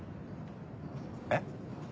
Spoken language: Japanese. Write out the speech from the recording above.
えっ？